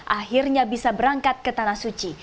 akhirnya bisa berangkat ke tanah suci